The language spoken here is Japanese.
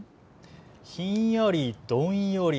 ひんやり、どんより。